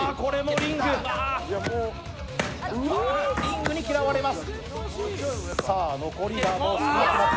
リングに嫌われます。